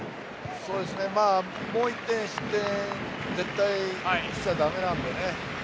もう一点、失点絶対しちゃ駄目なんでね。